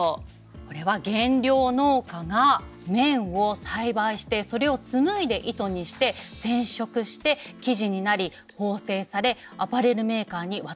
これは原料農家が綿を栽培してそれを紡いで糸にして染色して生地になり縫製されアパレルメーカーに渡る。